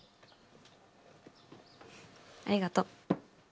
ありがと。